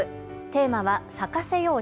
テーマは咲かせよう